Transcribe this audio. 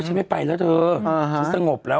ฉันไม่ไปแล้วเธอฉันสงบแล้ว